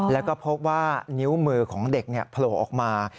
แล้วก็พบว่านิ้วมือของเด็กโผล่ออกมา